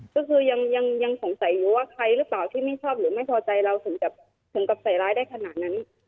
ก็คือยังสงสัยอยู่ว่าใครหรือเปล่าที่ไม่ชอบหรือไม่พอใจเราถึงกับใส่ร้ายได้ขนาดนั้น